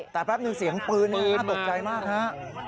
แต่แป๊บหนึ่งเสียงปืนน่าตกใจมากฮะ